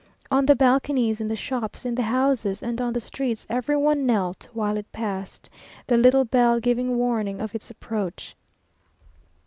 On the balconies, in the shops, in the houses, and on the streets, every one knelt while it passed, the little bell giving warning of its approach.